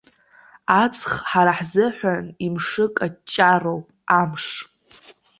Аҵх ҳара ҳзыҳәан имшы каҷҷароуп, амш.